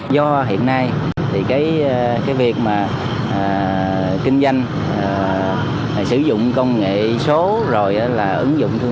do hiện nay thì cái việc mà kinh doanh sử dụng công nghệ số rồi là ứng dụng thương